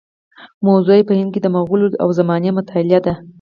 موضوع یې په هند کې د مغولو د زمانې مطالعه ده.